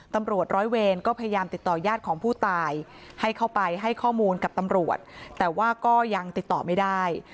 ตำรวจร้อยเวรก็พยายามติดต่อญาติของผู้ตายให้เข้าไปให้ข้อมูลกับตำรวจแต่ว่าก็ยังติดต่อไม่ได้